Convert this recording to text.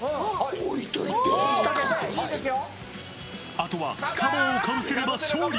あとはカバーをかぶせれば勝利。